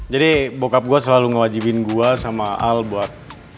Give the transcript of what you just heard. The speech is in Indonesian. jadi bokap gue selalu ngewajibin gue sama al buat